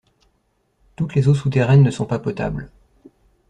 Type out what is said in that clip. Toutes les eaux souterraines ne sont pas potables.